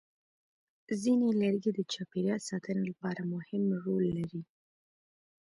ځینې لرګي د چاپېریال ساتنې لپاره مهم رول لري.